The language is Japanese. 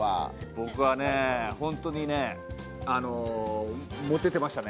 僕はね、本当にねモテてましたね。